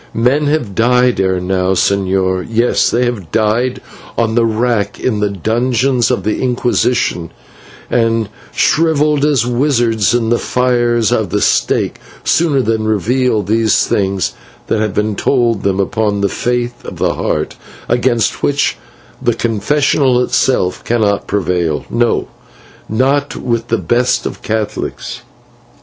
Men have died ere now, señor; yes, they have died on the rack in the dungeons of the Inquisition, and shrivelled as wizards in the fires of the stake, sooner than reveal those things that have been told them upon the faith of the Heart, against which the confessional itself cannot prevail no, not with the best of Catholics."